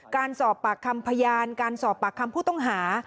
การสอบปากคำพยานการสอบปากคำผู้ต้องหา